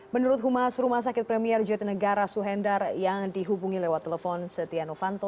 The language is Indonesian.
menurut humas rumah sakit premier jatinegara suhendar yang dihubungi lewat telepon setia novanto